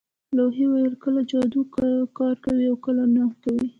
لوحې ویل کله جادو کار کوي او کله نه کوي